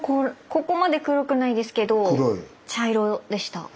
ここまで黒くないですけど茶色でした。